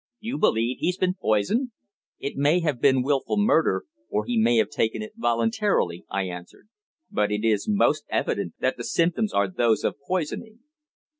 You believe he's been poisoned." "It may have been wilful murder, or he may have taken it voluntarily," I answered. "But it is most evident that the symptoms are those of poisoning."